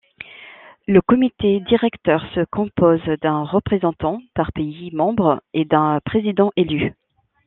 Le comité directeur se compose d’un représentant par pays membre, et d’un président élu.